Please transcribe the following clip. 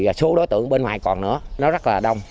và số đối tượng bên ngoài còn nữa nó rất là đông